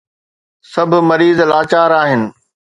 سڀ مريض لاچار آهن.